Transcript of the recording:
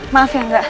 maaf ya enggak